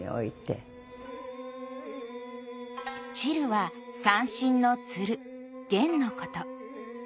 「絃」は三線のつる絃のこと。